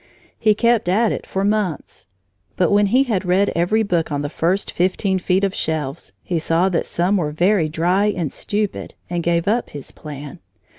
He kept at it for months! But when he had read every book on the first fifteen feet of shelves, he saw that some were very dry and stupid and gave up his plan.